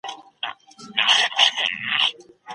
چی له ظلمه دي خلاص کړی یمه خوره یې